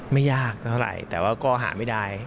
ไม่ยากเท่าไหร่แต่ว่าก็หาไม่ได้